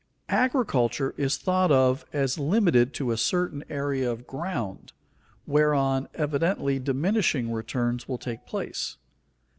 Agriculture is thought of as limited to a certain area of ground, whereon evidently diminishing returns will take place.